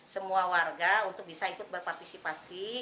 semua warga untuk bisa ikut berpartisipasi